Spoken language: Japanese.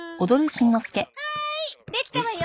はいできたわよ。